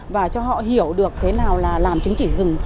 và cho họ hiểu được thế nào là làm chứng chỉ rừng